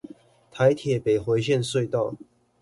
台鐵北迴線隧道